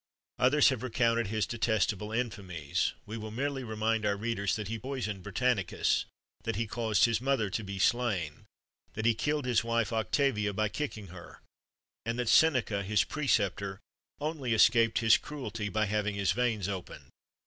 Others have recounted his detestable infamies: we will merely remind our readers that he poisoned Britannicus, that he caused his mother to be slain, that he killed his wife Octavia by kicking her, and that Seneca, his preceptor, only escaped his cruelty by having his veins opened.